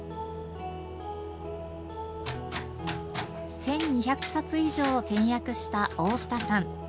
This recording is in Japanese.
１２００冊以上を点訳した大下さん。